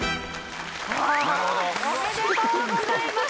おめでとうございます。